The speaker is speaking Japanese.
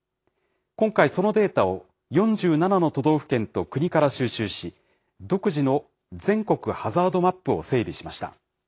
今回、そのデータを４７の都道府県と国から収集し、独自の全国ハザードマップを整備しました。